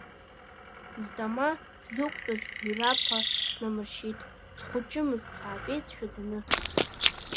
Зтама сықәтәаз ҩраԥа снармышьҭит, схәыҷымыз, саатәеит сшәаӡаны.